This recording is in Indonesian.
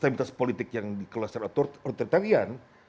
stabilitas politik yang dikelola secara otoritarian